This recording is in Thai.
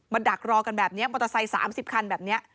ดักรอกันแบบนี้มอเตอร์ไซค์๓๐คันแบบนี้